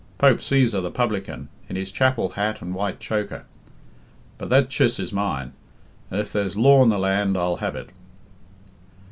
Pope Cæsar, the publican, in his chapel hat and white choker! But that chiss is mine, and if there's law in the land I'll have it."